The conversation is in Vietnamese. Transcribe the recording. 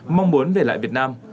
mong muốn về lại việt nam